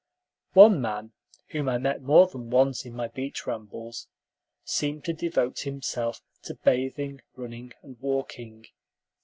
One man, whom I met more than once in my beach rambles, seemed to devote himself to bathing, running, and walking.